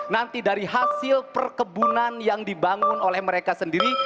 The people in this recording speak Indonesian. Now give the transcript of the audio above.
nanti dari hasil perkebunan yang dibangun oleh mereka sendiri